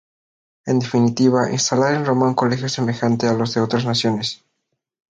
En definitiva, instalar en Roma un colegio semejante a los de otras naciones.